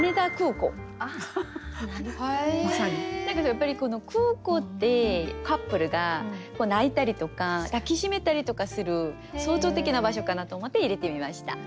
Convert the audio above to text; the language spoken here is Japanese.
やっぱり空港ってカップルが泣いたりとか抱き締めたりとかする象徴的な場所かなと思って入れてみました。